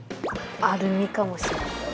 アルミかもしれない。